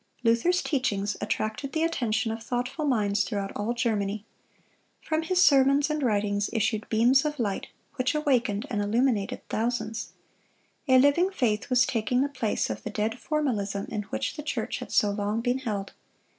Luther's teachings attracted the attention of thoughtful minds throughout all Germany. From his sermons and writings issued beams of light which awakened and illuminated thousands. A living faith was taking the place of the dead formalism in which the church had so long been held.